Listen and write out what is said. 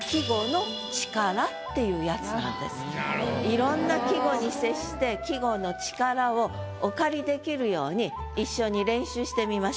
いろんな季語に接して季語の力をお借りできるように一緒に練習してみましょう。